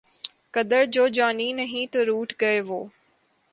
قدر جو جانی نہیں تو روٹھ گئے وہ